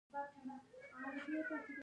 د جلغوزیو مغز ډیر غوړ او انرژي لري.